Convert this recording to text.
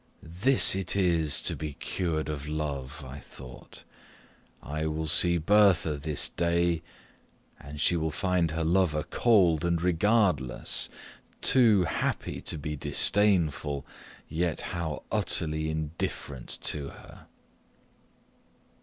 "This it is to be cured of love," I thought; "I will see Bertha this day, and she will find her lover cold and regardless: too happy to be disdainful, yet how utterly indifferent to her!"